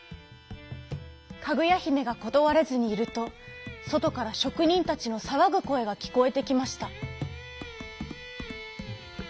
かぐやひめがことわれずにいるとそとからしょくにんたちのさわぐこえがきこえてきました。